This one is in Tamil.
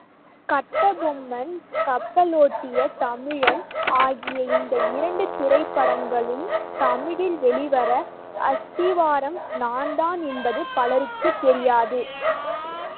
கட்டபொம்மன் கப்பலோட்டிய தமிழன் ஆகிய இந்த இரண்டு திரைப்படங்களும் தமிழில் வெளிவர அஸ்திவாரம் நான்தான் என்பது பலருக்குத் தெரியாது.